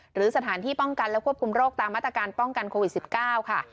หรือสถานที่ป้องกันและควบคุมโรคตามมาตรการป้องกันโควิด๑๙ค่ะ